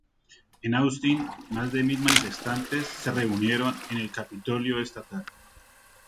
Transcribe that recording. En Austin, más de mil manifestantes se reunieron en el Capitolio estatal.